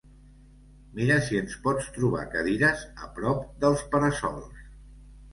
Mira si ens pots trobar cadires a prop dels para-sols.